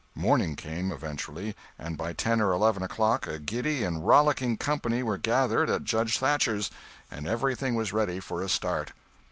Morning came, eventually, and by ten or eleven o'clock a giddy and rollicking company were gathered at Judge Thatcher's, and everything was ready for a start.